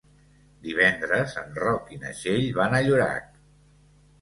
Divendres en Roc i na Txell van a Llorac.